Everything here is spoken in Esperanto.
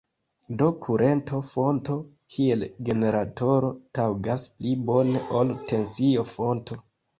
Do kurento-fonto kiel generatoro taŭgas pli bone ol tensio-fonto.